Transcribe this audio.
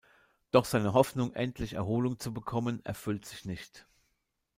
Doch seine Hoffnung, endlich Erholung zu bekommen, erfüllt sich nicht.